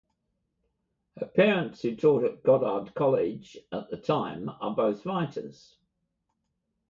Her parents, who taught at Goddard College at the time, are both writers.